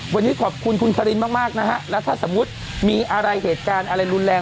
ทางกลุ่มมวลชนทะลุฟ้าทางกลุ่มมวลชนทะลุฟ้า